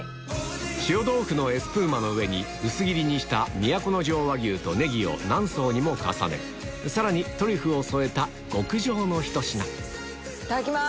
塩豆腐のエスプーマの上に薄切りにした都城和牛とネギを何層にも重ねさらにトリュフを添えた極上のひと品いただきます！